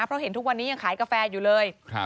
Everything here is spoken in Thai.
เหมือนทุกวันนี้ยังขายกาแฟอยู่เลย